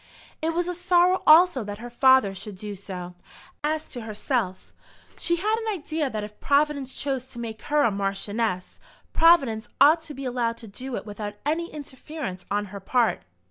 It was a sorrow also that her father should do so. As to herself, she had an idea that if Providence chose to make her a Marchioness, Providence ought to be allowed to do it without any interference on her part.